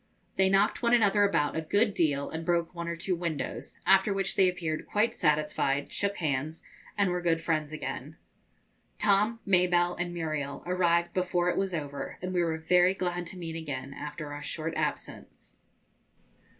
They knocked one another about a good deal, and broke one or two windows, after which they appeared quite satisfied, shook hands, and were good friends again. Tom, Mabelle, and Muriel arrived before it was over, and we were very glad to meet again after our short absence.